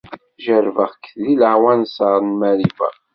Jeṛṛbeɣ-k di leɛwanser n Mariba.